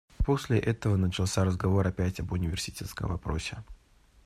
После этого начался разговор опять об университетском вопросе.